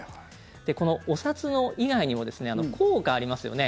このお札以外にも硬貨ありますよね。